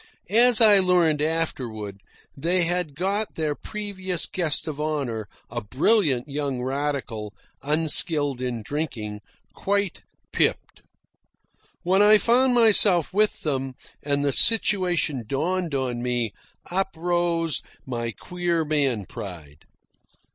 As I learned afterward, they had got their previous guest of honour, a brilliant young radical, unskilled in drinking, quite pipped. When I found myself with them, and the situation dawned on me, up rose my queer man pride.